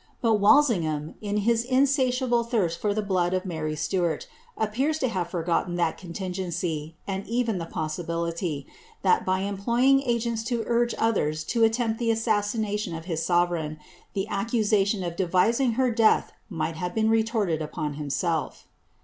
But Walsingham, in his insatiable thirst far die hlood of Bfary Stuart, appears to have forgotten that contingen cy, and even the possibility, that by employing agents to urge others to attempt the assassination of his sovereign, the accusation of devising her death might have been retorted upon himself.